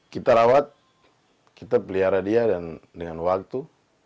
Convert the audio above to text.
kita rawat kita pelihara dia dan dengan waktu